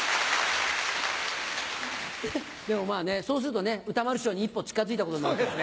でもそうするとね歌丸師匠に一歩近づいたことになるから。